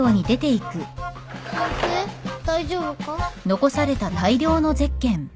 ・先生大丈夫か？